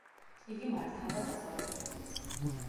იგი მართავდა დასავლეთ მიწებს.